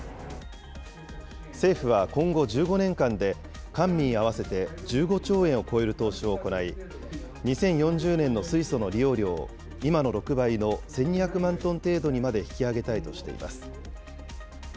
政府は今後１５年間で、官民合わせて１５兆円を超える投資を行い、２０４０年の水素の利用量を、今の６倍の１２００万トン程度にまで引き上げたいとしています。